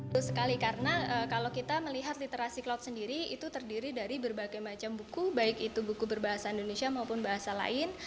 itu sekali karena kalau kita melihat literasi cloud sendiri itu terdiri dari berbagai macam buku baik itu buku berbahasa indonesia maupun bahasa lain